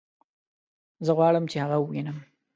زه غواړم چې هغه ووينم